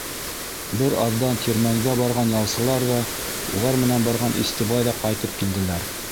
Бер аҙҙан тирмәнгә барған ялсылар ҙа, улар менән барған Истебай ҙа ҡайтып килделәр.